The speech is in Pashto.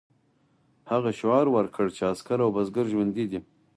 هغه شعار ورکړ چې عسکر او بزګر ژوندي دي.